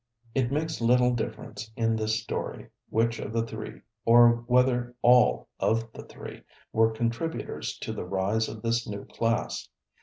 It makes little difference in this story which of the three or whether all of the three were contributors to the rise of this new class.